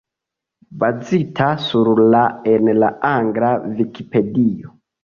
Bazita sur la en la angla Vikipedio.